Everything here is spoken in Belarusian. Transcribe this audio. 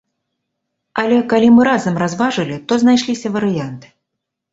Але калі мы разам разважылі, то знайшліся варыянты.